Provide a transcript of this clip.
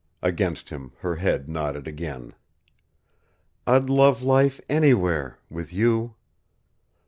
Against him her head nodded again. "I'd love life anywhere WITH YOU."